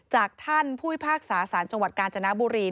จากท่านผู้พิพากษาสารจังหวัดกาญจนบุรี